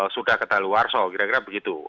sudah ke daluar so kira kira begitu